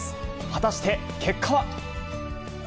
果たして結果は。